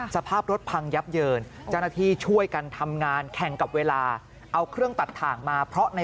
สภาพรถพังยับเยินจารที่ช่วยกันทำงานแข่งกับเวลา